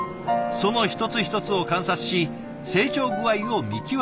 その一つ一つを観察し成長具合を見極めていきます。